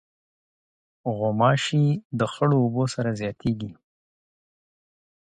غوماشې د خړو اوبو سره زیاتیږي.